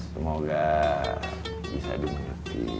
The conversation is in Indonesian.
semoga bisa dimengerti ya